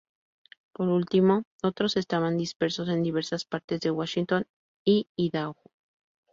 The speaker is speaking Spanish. Por último, otros estaban dispersos en diversas partes de Washington y Idaho.